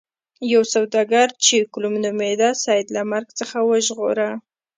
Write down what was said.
یو سوداګر چې کلوم نومیده سید له مرګ څخه وژغوره.